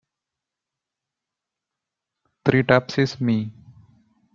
Three taps is me.